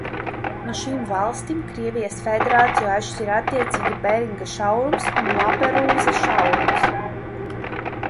No šīm valstīm Krievijas Federāciju atšķir attiecīgi Beringa šaurums un Laperūza šaurums.